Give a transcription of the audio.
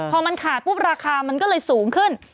พอมันขาดปุ๊บราคามันก็เลยสูงขึ้น